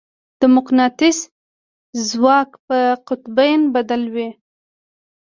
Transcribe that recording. د مقناطیس ځواک په قطبین بدل وي.